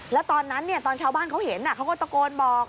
แล้วตอนนั้นตอนชาวบ้านเขาเห็นเขาก็ตะโกนบอก